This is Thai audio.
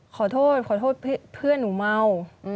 ขอโทษเพื่อนหนูเมา